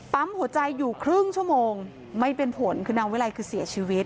ปั๊มหัวใจอยู่ครึ่งชั่วโมงไม่เป็นผลคือนางวิลัยคือเสียชีวิต